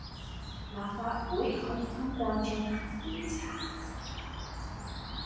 立法會可以通過進行調查